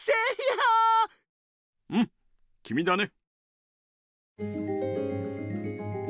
うんきみだね。